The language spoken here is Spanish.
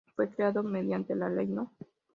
Fue creado mediante la Ley No.